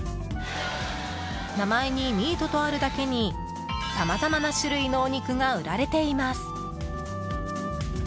名前に「ミート」とあるだけにさまざまな種類のお肉が売られています。